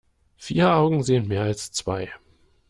Vier Augen sehen mehr als zwei.